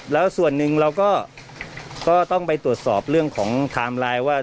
แล้วส่วนหนึ่งเราก็ต้องไปตรวจสอบเรื่องของไทม์ไลน์ว่า